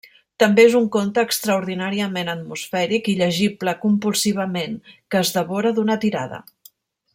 També és un conte extraordinàriament atmosfèric i llegible compulsivament, que es devora d'una tirada.